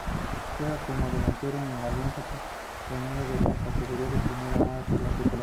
Juega como delantero en el Alianza Petrolera de la Categoría Primera A de Colombia.